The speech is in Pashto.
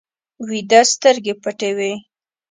ویده سترګې پټې وي